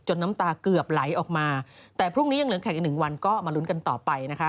น้ำตาเกือบไหลออกมาแต่พรุ่งนี้ยังเหลือแข่งอีกหนึ่งวันก็มาลุ้นกันต่อไปนะคะ